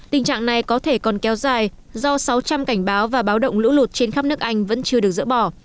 tình trạng này có thể còn kéo dài do sáu trăm linh cảnh báo và báo động lũ lụt trên khắp nước anh vẫn chưa được dỡ bỏ